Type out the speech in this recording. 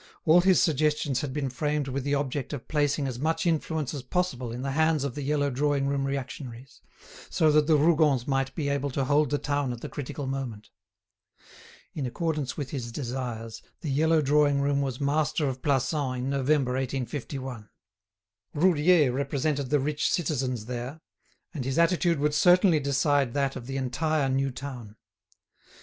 All his suggestions had been framed with the object of placing as much influence as possible in the hands of the yellow drawing room reactionaries, so that the Rougons might be able to hold the town at the critical moment. In accordance with his desires, the yellow drawing room was master of Plassans in November, 1851. Roudier represented the rich citizens there, and his attitude would certainly decide that of the entire new town.